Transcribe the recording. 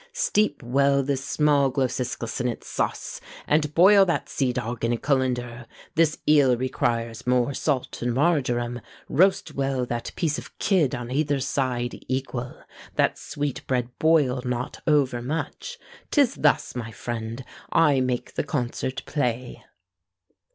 Steep well this small Glociscus in its sauce, And boil that sea dog in a cullender; This eel requires more salt and marjoram; Roast well that piece of kid on either side Equal; that sweetbread boil not over much." 'Tis thus, my friend, I make the concert play.